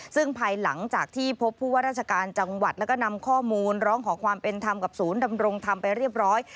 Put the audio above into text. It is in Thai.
ซึ่งภายหลังจากที่พบผู้ว่าราชการจังหวัดแล้วก็นำข้อมูลร้องขอความเป็นธรรมกับศูนย์ดำรงธรรมไปเรียบร้อย